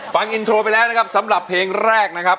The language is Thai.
ฟังอินโทรไปแล้วนะครับสำหรับเพลงแรกนะครับ